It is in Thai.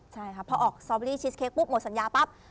ใช่พอออกซอบเว็ตอีชีสเค้กหมดสัญญาปั๊บ